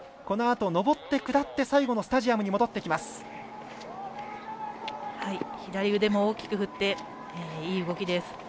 このあと上って下って最後のスタジアムに左腕も大きく振っていい動きです。